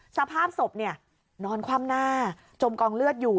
สภาพศพนอนคว่ำหน้าจมกองเลือดอยู่